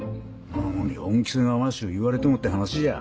なのに恩着せがましう言われてもって話じゃ。